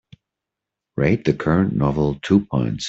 Rate the current novel two points